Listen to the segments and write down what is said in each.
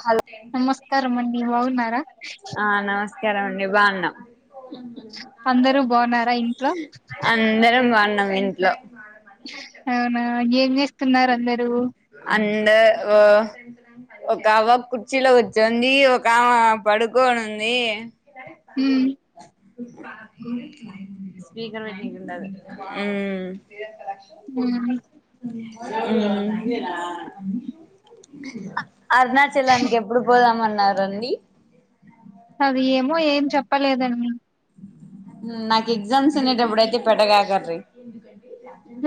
Hello నమస్కారం అండి బాగున్నారా ఆ నమస్కారం అండి బాగున్నాం అందరూ బాగున్నారా ఇంట్లో అందరం బాగున్నాం ఇంట్లో అవునా ఏం చేస్తున్నారు అందరూ అన్ ట్యాగో ఒక అవ్వ కుర్చీలో కుచ్చోంది ఒక అమ పడుకోని ఉంది అదే హ్మ్ స్పీకర్ పెట్టిండది హ్మ్ అరుణాచలానికి ఎప్పుడు పోదాం మన్న నాదండి అది ఏమో ఏం చెప్పలేదండి నాకు ఎగ్జామ్స్ ఉన్నాయి గప్పుడయితే పెట్ట బాకండి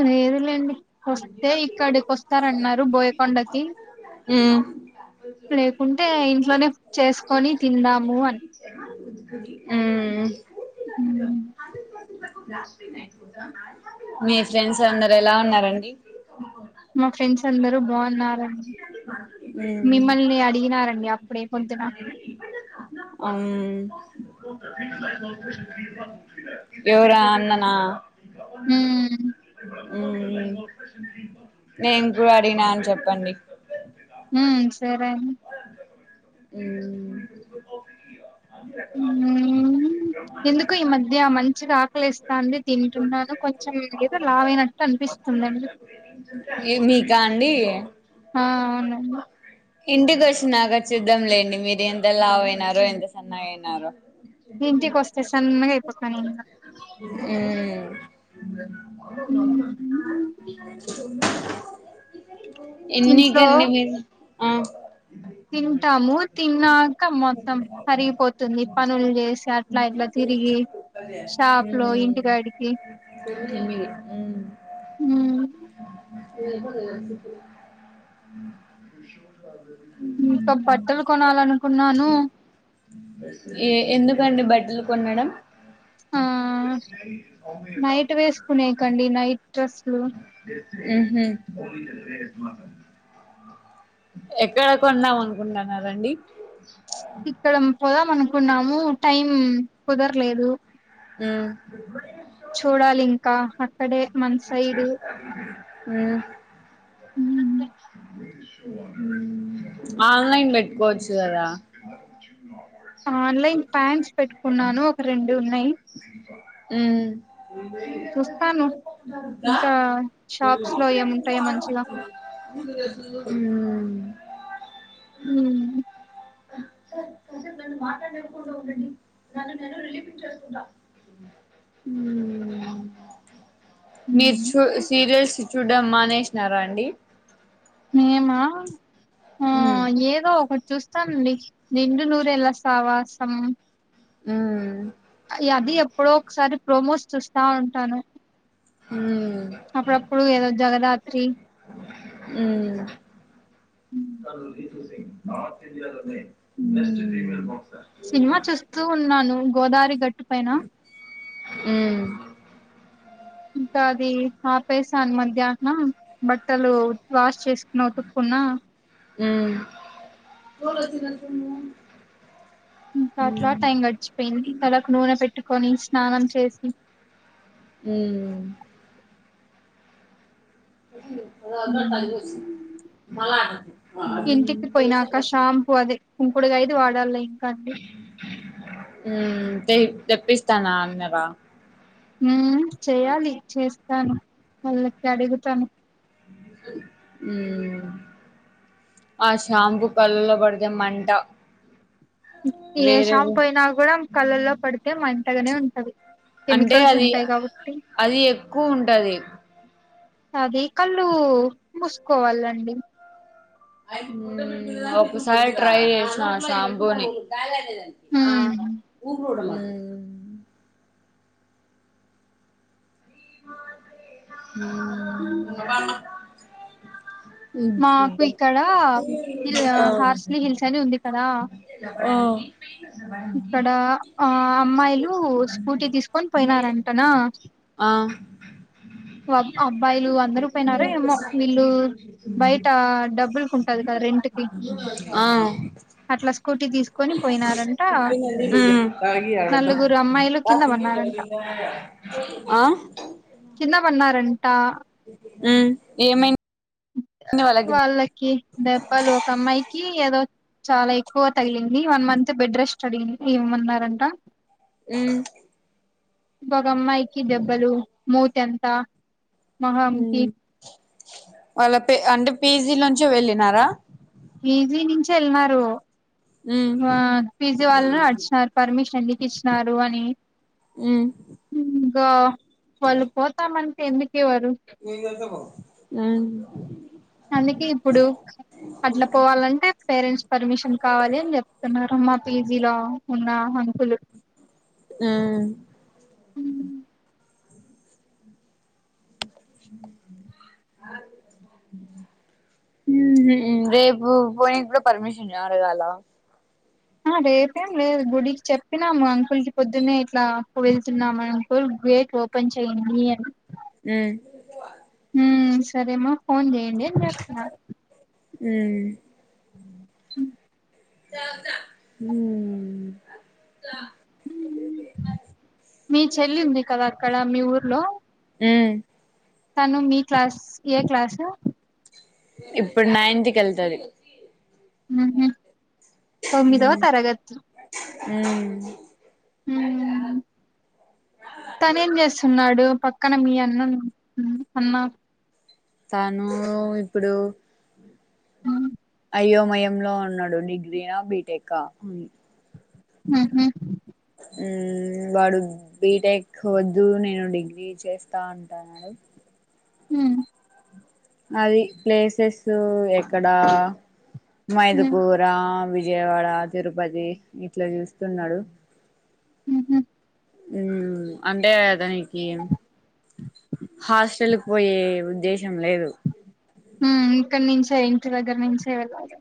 లేదులేండి వస్తే ఇక్కడికి వస్తారన్నారు బోయకొండకి మ్మ్ లేకుంటే ఇంట్లోనే చేసుకొని తిందాము అని ఉమ్ హ్మ్ మీ ఫ్రెండ్స్ అందరు ఎలా ఉన్నారండి మా ఫ్రెండ్స్ అందరు బాగున్నారు మ్మ్ మిమ్మల్ని అడిగినారంండి అప్పుడే పొద్దున అన్ ఎవరో అన్ననా ఉమ్ నేను కూడ అడిగిన అని చెప్పండి హ్మ్ సరే అం ఉమ్ మ్మ్ ఎందుకో ఈ మధ్య మంచిగా ఆకలిస్తాంది తింటున్నాను కొంచెం ఏదో లావయినట్టు ఏ మీకా అండి ఆ అవునండి ఇంటికి వచ్చినక చూద్దాంలేండి మీరు ఎంత లావయినారో ఎంత సన్నమయినారో ఇంటికి వస్తే సన్నగా అయిపోతను ఇంకా ఆ హ్మ్. ఎన్ని ఇంట్లో గన్నీ మీ తింటాము తిన్నాక మొత్తం కరిగిపోతుంది పనులు చేసి అట్లా ఇట్లా తిరిగి షాప్ లో ఇంటికాడికి ఉమ్ హ్మ్ ఏ నను ఏ ఎందుకండి బట్టలు కొనడం ఆ నైట్ వేసుకునే కండి నైట్ డ్రెస్సులు ఉహు ఎక్కడ కొందాం అనుకుంటున్నరండి ఇక్కడ పోదామనుకున్నాము టైం కుదరలేదు ఆ చూడాలి ఇంకా అక్కడే మన సైడ్ అ ఆన్లైన్ పెట్టుకోవచ్చు కదా ఆన్లైన్ ప్యాంట్స్ పెట్టుకున్నాను ఒక రెండు ఉన్నాయి ఉమ్ చూస్తాను ఇంకా షాప్స్ లో ఏముంటాయో మంచిగా మ్మ్ ఉం కాసేపు నన్ను మాట్లాడకుంటూ ఉండండి దాన్న నేను రిలీఫ్ ఇచ్చేస్తుంటా ఉ మీరు చూ సీరియల్స్ చూడమానేసినారా అండి మేమా ఆ మ్మ్ ఏదో ఒక చూస్తానండి నిండు నూరుళ్లా సావాసం ఉమ్ అ అది ఎప్పుడో ఒకసారి ప్రోమోస్ చూస్తా ఉంటాను ఆ అప్పుడప్పుడు ఏదో జగదాత్రి అ మ్మ్ సినిమా చూస్తూ ఉన్నాను గోదారి గట్టు పైన ఇంకా అది వేసాన్ మధ్యాహ్నం బట్టలు వాష్ చేసుకున్నా ఉతుక్కున్న మ్మ్ ఇంకా అట్లా మ్మ్ టైం గడిచిపోయింది తలాకు నూనె పెట్టుకొని స్నానం చేసి మ్మ్ వదిన హ్మ్ తలకు పోసింది ఇంటికి పోయినాక షాంపూ అదే కుంకుడు గాయదీ వాడాలి ఇంకా అండి ఉ తెప్పిస్తా అన్నారా ఉ చేయాలి చేస్తాను వాళ్ళకి అడుగుతాను ఉ ఊ ఆ షాంపూ కళ్ళల్లో పడితే మంట ఏ వేరేది షాంపు అయినా కూడా కళల్లో పడితే మంటగనే ఉంటుంది అంటే అది అది ఎక్కువ ఉంటది అది కళ్ళు మూసుకోవాలండి ఒకసారి ట్రై చేసాను షాంపుని ఆ మ్మ్ ఊరు ఉండమని ఊ ఉ ఆ మాకు ఇక్కడ హిల్ హార్స్లీ హిల్స్ అని ఉంది కదా ఓ టీవీ సౌండ్ ఇక్కడ ఆ అమ్మాయిలు స్కూటీ తీసుకొని పోయినారంటనా ఆ అబ్బాయిలు అందరు పోయినారో ఏమో వీళ్ళు బయట డబ్బులకు ఉంటది కదా రెంట్ కి ఆ ఉ అట్లా స్కూటీ తీసుకొని పోయినారంట నలుగురు అమ్మాయిలు కింద పన్నారంట ఆ తినమన్నారంట ఉ ఏమైనా వాళ్ళకి దెబ్బలు ఒక అమ్మాయికి ఏదో చాలా ఎక్కువ తగిలింది వన్ మంత్ బెడ్ రెస్ట్ అడిగింది ఇవ్వమన్నారంట ఉ ఒకమ్మాయికి దెబ్బలు మూత అంత మొహానికి ఉమ్ వాళ్ళ ప అంటే పీజీ నుంచి వెళ్ళినారా పీజీ నుంచి వెళ్ళినారు ఉమ్ పీజీ వాళ్ళను అడిగినారు పర్మిషన్ మీకు ఇచ్చినారు అని ఉ ఇగ వాళ్ళు పోతామంటే ఎందుకు ఇయరు ఆ అందుకే ఇప్పుడు అట్ల పోవాలంటే పేరెంట్స్ పర్మిషన్ కావాలి అని చెప్తున్నారు అమ్మ పీజీలో ఉన్న అంకులు ఉమ్ ఆ రేపు పోయినా కూడా పర్మిషన్ అడగాలా ఆ రేపేం లేదు గుడికి చెప్ప చెప్పినాము అంకుల్ కి పొద్దున్న ఇట్లా వెళ్తున్నాం అంకుల్ గేట్ ఓపెన్ చేయండి అని ఉమ్ ఉ సరే అమ్మ ఫోన్ చెయండి అని చెప్పినారు ఉ ఉ ఉ మీ చెల్లి ఉంది కదా అక్కడ మీ ఊర్లో ఏ తను మీ క్లాస్ ఏ క్లాసు ఇప్పుడు నైన్త్కి వెళ్తది ఉహు తొమ్మిదవ ఉమ్ తరగతి ఉమ్ ఉమ్ తనే ఏం చేస్తున్నాడు పక్కన మీ [inaudible] అన్మ తను ఇప్పుడు ఆ అయ్యోమయంలో ఉన్నాడు డిగ్రీనా బీటెకా ఉహు ఉమ్ వాడు బిటెక్ వద్దు నేను డిగ్రీ చేస్తా అంటన్నాడు ఉ అది ప్లేసెస్ ఎక్కడ మైదుకూర వి విజయవాడ తిరుపతి ఇట్లా చూస్తున్నాడు ఉహు ఉమ్ అంటే దానికి హాస్టల్ కు పోయే ఉద్దేశం లేదు ఉ ఇక్కడ నుంచే ఇంటి దగ్గర నుంచే వెళ్ళాలి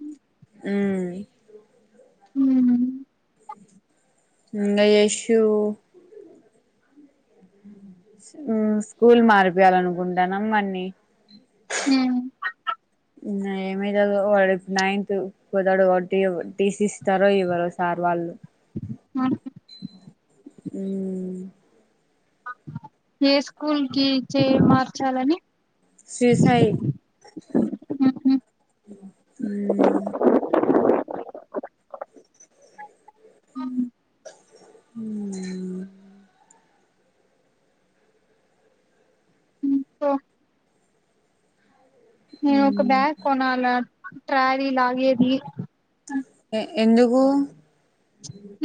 ఉమ్ ఉమ్ ఇంగ యష్యూ స్కూల్ మారిపోయాలినుకుంటానం వాడ్ని ఉ ఇంగ ఏమైతదో వాడు ఇప్పుడు నైన్త్ కుతాడు కాబట్టి టీసి ఇస్తారో ఎవ్వరో సార్ వాళ్ళు ఉ [inaudible] ఉ ఏ స్కూల్ కి చే మార్చాలని శ్రీ సాయి ఉహు ఉమ్ ఉమ్ ఉమ్ పో నేను ఒక మ్మ్ బ్యాగ్ కొనాల ట్రారీ లాగేది ఏ ఎందుకు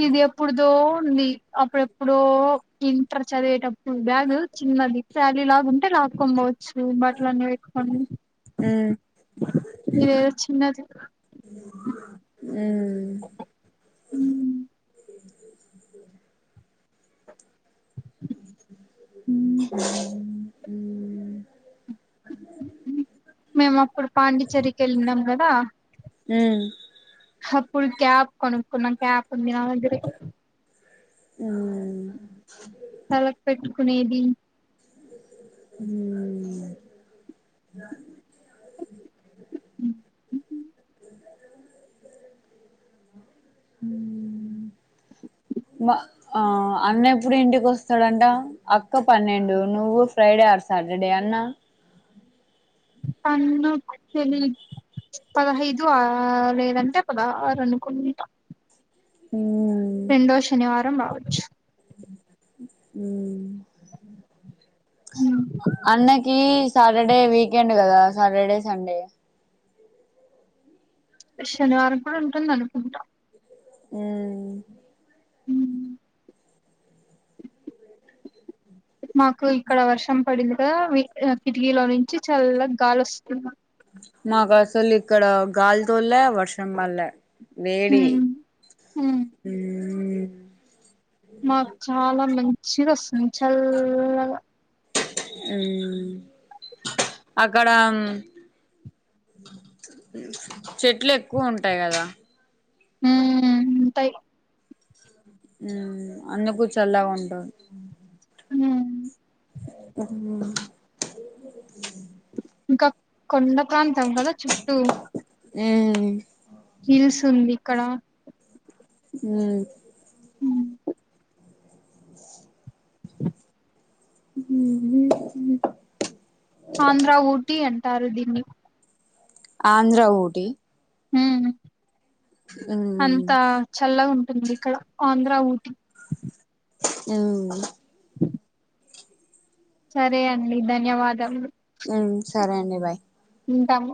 ఇది ఎప్పుడుదో ఉంది అప్పుడెప్పుడో ఇంటర్ చదివేటప్పుడు బ్యాగ్ చిన్నది శాలీ లాగా ఉంటేరా పట్టుకొని పోవచ్చు బట్టలన్నీ పెట్టుకొని మ్మ్ ఇదేదో చిన్నది ఉ ఉ మేము అప్పుడు పాండిచ్చేరికి ఎళ్ళినం కదా ఉ అప్పుడు క్యాప్ కొనుకున్నా క్యాప్ ఉంది నా దగ్గరే ఊ తలకు పెట్టుకునేది ఉమ్ మా ఆ అన్న ఎప్పుడు ఇంటికి వస్తాడంట, అక్క పన్నెండు, నువ్వు ఫ్రైడే అ సాటడే అన్న అందు తెలి పదహైదు ఆ లేదంటే పదహారు అనుకుంటున్న మ్మ్ రెండో శనివారం రావచ్చు. ఉమ్ ఉమ్ ఏ సాటర్డే వీకెండ్ కదా, సాటర్డే సండే. శనివారం కూడా ఉంటుందనుకుంటా ఉమ్ ఉమ్ మాకు ఇక్కడ వర్షం పడింది కదా, వి కిటికీలో నుంచి చల్ల గాలి వస్తుంది. నాకు అసలు ఇక్కడ గాలి తోల్లే, వర్షం పల్లే. వేడి ఉమ్ ఉమ్ ఉమ్ మాకు చాలా మంచిగ వస్తుంది చల్లగా. ఉమ్ అక్కడ చెట్లు ఎక్కువ ఉంటాయి కదా. ఉమ్ ఉంటయి అందుకు చల్లగా ఉంటది ఉమ్ ఉమ్ ఇంకా కొండ ప్రాంతం కద చుట్టూ. ఉమ్ హిల్స్ ఉంది ఇక్కడ. ఉమ్ ఉమ్ ఉమ్ టారు దీన్ని. ఆంధ్ర ఊటి హ్మ్ ఉమ్ అంతా చల్లగ ఉం టుంది ఇక్కడ ఆంధ్ర, ఊటి. ఉమ్ సరే అండి ధన్యవాదములు. ఉమ్ సరే అండి బాయ్. ఉంటాము.